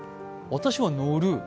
私は乗る？